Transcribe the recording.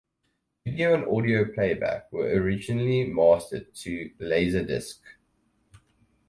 Video and audio playback were originally mastered to laserdisc.